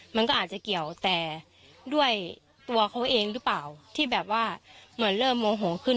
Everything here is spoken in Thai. มันก็อาจจะเกี่ยวแต่ด้วยตัวเขาเองหรือเปล่าที่แบบว่าเหมือนเริ่มโมโหขึ้น